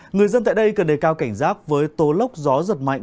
người dân tại đây cần đề cao cảnh giác với tố lốc gió giật mạnh